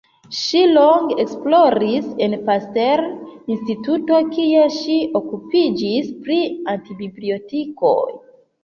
Ŝi longe esploris en Pasteur Instituto, kie ŝi okupiĝis pri antibiotikoj.